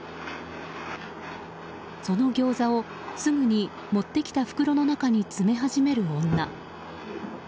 そのギョーザをすぐに持ってきた袋の中に詰め始める女。